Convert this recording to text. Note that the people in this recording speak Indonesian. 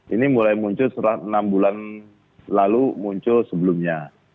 ini mulai muncul setelah enam bulan lalu muncul sebelumnya